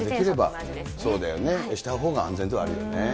そうだよね、したほうが安全ではあるよね。